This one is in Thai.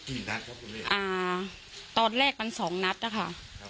กี่นัดครับคุณพี่อ่าตอนแรกมันสองนัดอะค่ะ